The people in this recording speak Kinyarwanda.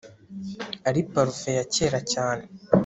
Ari parufe ya kera cyane